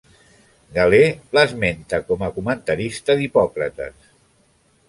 Galè l'esmenta com a comentarista d'Hipòcrates.